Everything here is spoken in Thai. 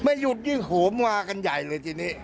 ไม่หยุดยิ่งหัวมัวกันใหญ่เลยทีนี้